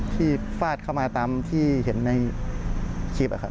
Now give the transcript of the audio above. ที่ฟาดเข้ามาตามที่เห็นในคลิปอะครับ